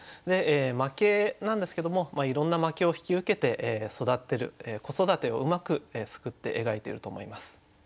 「負け」なんですけどもいろんな負けを引き受けて育ってる子育てをうまくすくって描いてると思います。